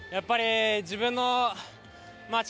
自分の力